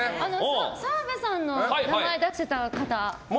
澤部さんの名前を出してた方。